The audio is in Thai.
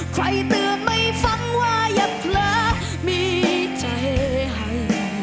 เตือนไม่ฟังว่าอย่าเผลอมีใจให้